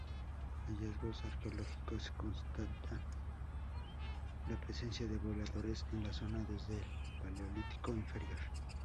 Hallazgos arqueológicos constatan la presencia de pobladores en la zona desde el Paleolítico Inferior.